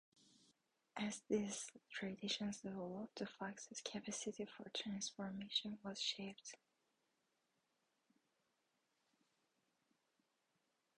As these traditions developed, the fox's capacity for transformation was shaped.